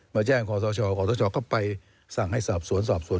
มาแจ้งขอสชขอสชก็ไปสั่งให้สอบสวนสอบสวน